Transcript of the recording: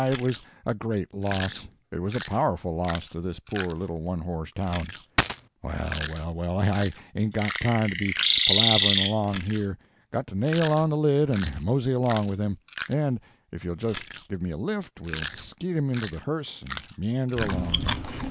Ah, it was a great loss it was a powerful loss to this poor little one horse town. Well, well, well, I hain't got time to be palavering along here got to nail on the lid and mosey along with' him; and if you'll just give me a lift we'll skeet him into the hearse and meander along.